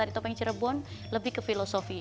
di topeng cirebon lebih ke filosofi